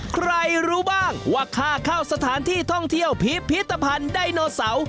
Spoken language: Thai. ใครรู้บ้างว่าค่าเข้าสถานที่ท่องเที่ยวพิพิธภัณฑ์ไดโนเสาร์